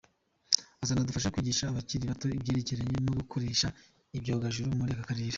Uzanadufasha kwigisha abakiri bato ibyerekeranye no gukoresha ibyogajuru muri aka karere.